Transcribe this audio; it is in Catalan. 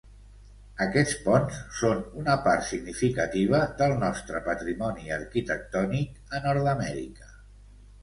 Aquests ponts són una part significativa del nostre patrimoni arquitectònic a Nord-amèrica.